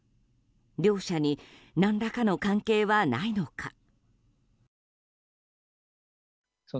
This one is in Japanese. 両者に何らかの関係はないのか。